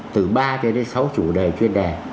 từ ba cho đến sáu chủ đề chuyên đề